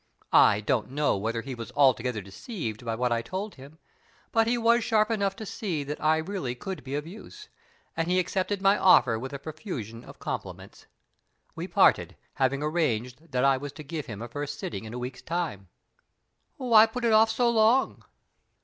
I don't know whether he was altogether deceived by what I told him; but he was sharp enough to see that I really could be of use, and he accepted my offer with a profusion of compliments. We parted, having arranged that I was to give him a first sitting in a week's time." "Why put it off so long?"